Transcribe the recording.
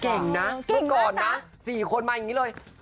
เมื่อก่อนนะ๔คนมาอย่างนี้เลย